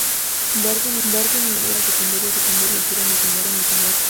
Darwin y Gumball llegan a la Secundaria Elmore, y encierran al Sr.